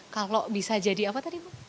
kalau bisa jadi apa tadi bu